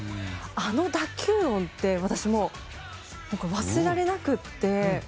あの打球音が私、忘れられなくて。